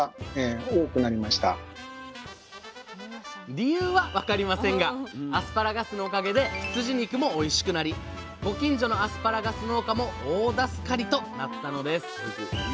理由は分かりませんがアスパラガスのおかげで羊肉もおいしくなりご近所のアスパラガス農家も大助かりとなったのです！